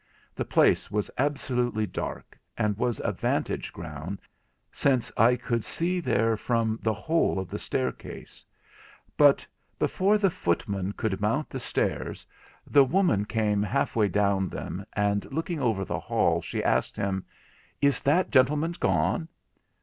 The place was absolutely dark, and was a vantage ground, since I could see there from the whole of the staircase; but before the footman could mount the stairs, the woman came half way down them, and, looking over the hall, she asked him: 'Is that gentleman gone?'